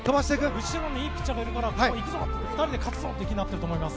後ろにいいピッチャーがいるからいくぞ、２人で勝つぞ！と言うと思います。